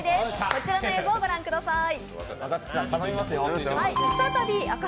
こちらの映像を御覧ください。